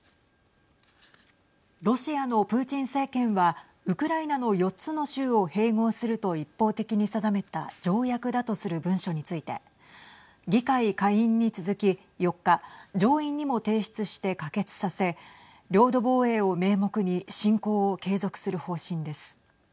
ロシアのプーチン政権はウクライナの４つの州を併合すると一方的に定めた条約だとする文書について議会下院に続き４日、上院にも提出して可決させ領土防衛を名目に侵攻を継続する方針です。